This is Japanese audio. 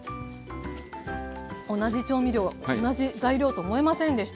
同じ調味料同じ材料と思えませんでした。